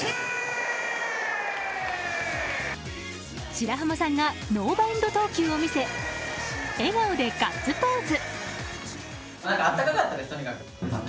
白濱さんがノーバウンド投球を見せ笑顔でガッツポーズ。